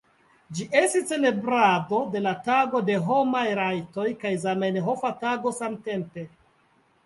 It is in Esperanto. Ĝi estis celebrado de la Tago de Homaj Rajtoj kaj Zamenhofa Tago samtempe.